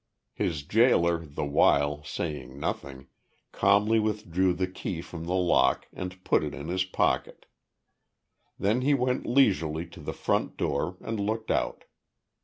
His gaoler the while, saying nothing, calmly withdrew the key from the lock and put it in his pocket. Then he went leisurely to the front door and looked out.